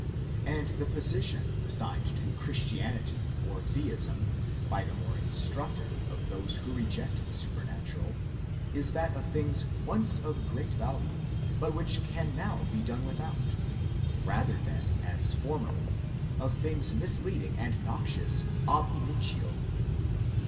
And the position assigned to Christianity or Theism by the more instructed of those who reject the supernatural, is that of things once of great value but which can now be done without ; rather than, as formerly, of things misleading and noxious ab initio.